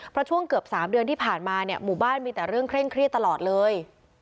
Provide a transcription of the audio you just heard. เพราะช่วงเกือบ๓เดือนที่ผ่านมาเนี่ยหมู่บ้านมีแต่เรื่องเคร่งเครียดตลอดเลย